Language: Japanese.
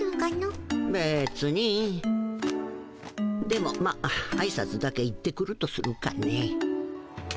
でもまああいさつだけ行ってくるとするかね。